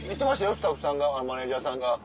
スタッフさんがマネジャーさんが。